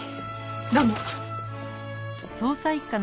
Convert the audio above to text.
どうも。